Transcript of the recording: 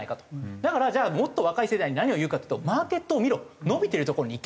だからじゃあもっと若い世代に何を言うかというとマーケットを見ろ伸びてる所にいけ。